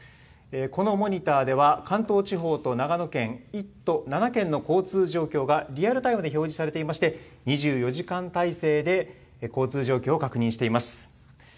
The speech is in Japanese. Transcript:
このモニターでは、関東地方と長野県、１都７県の交通状況がリアルタイムで表示されていまして、２４時間体制で交通状況を確認しています。